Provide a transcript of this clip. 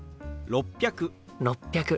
６００。